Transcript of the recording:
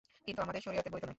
কিন্তু আমাদের শরীয়তে বৈধ নয়।